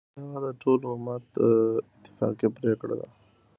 همدغه د ټول امت اتفاقی پریکړه ده،